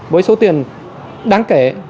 với số tiền đáng kể